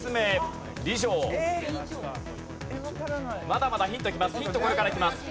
まだまだヒントきます。